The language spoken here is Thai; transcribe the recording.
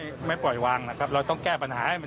พระครูว่ายังอยู่ที่ง่านี่หรือว่า